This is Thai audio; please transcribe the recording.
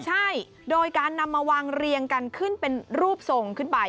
ใช่โดยการนำมาวางเรียงกันขึ้นเป็นรูปทรงขึ้นไป